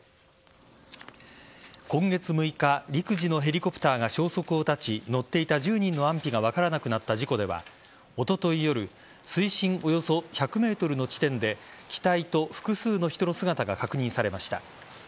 今月６日陸自のヘリコプターが消息を絶ち乗っていた１０人の安否が分からなくなった事故ではおととい夜水深およそ１００ｍの地点で機体と複数の人の姿が確認されました。